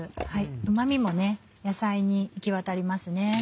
うま味も野菜に行きわたります。